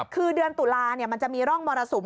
คือเดือนตุลามันจะมีร่องมรสุม